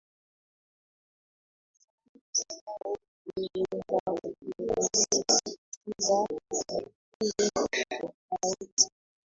mtazamo wao ulilengakuvisisitiza vipindi tofauti